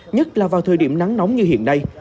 nhất là vào thời điểm nắng nóng như hiện nay